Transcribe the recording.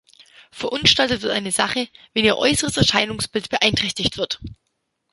Verunstaltet wird eine Sache, "wenn ihre äußere Erscheinung beeinträchtigt wird".